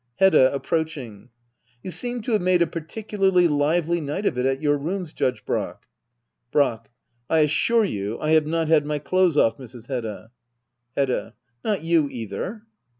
Hedda. [Approaching.] You seem to have made a particularly lively night of it at your rooms. Judge Brack. Brack. I assure you I have not had my clothes off, Mrs. Hedda. Hedda. Not you, either